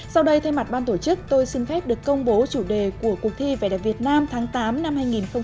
sau đây thay mặt ban tổ chức tôi xin phép được công bố chủ đề của cuộc thi về việt nam tháng tám năm hai nghìn một mươi chín